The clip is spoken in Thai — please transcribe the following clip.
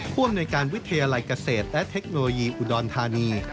ผู้อำนวยการวิทยาลัยเกษตรและเทคโนโลยีอุดรธานี